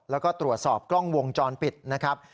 แล้วก็ตรวจสอบกล้องวงจรปิดนะครับ